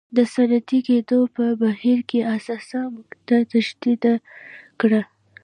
د صنعتي کېدو په بهیر کې حساسه مقطعه تشدید کړه.